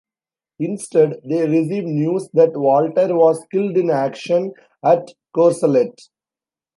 Instead, they receive news that Walter was killed in action at Courcelette.